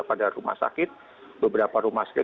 pada rumah sakit beberapa rumah sakit